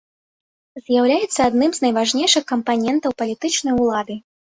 З'яўляецца адным з найважнейшых кампанентаў палітычнай улады.